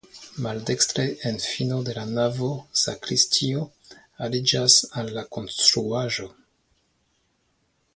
Maldekstre en fino de la navo sakristio aliĝas al la konstruaĵo.